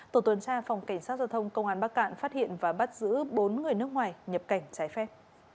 tổ tuần tra phòng cảnh sát giao thông công an bắc cạn phát hiện và bắt giữ bốn người nước ngoài nhập cảnh trái phép